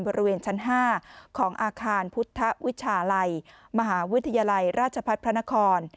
บริเวณชั้น๕ของอาคารพุทธวิชาลัยมหาวิทยาลัยราชพัฒน์พระนคร